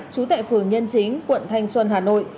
trú tại phường nhân chính quận thanh xuân hà nội